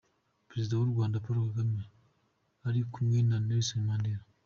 Perezida w’u Rwanda Paul Kagame ari kumwe na Nelson Mandela.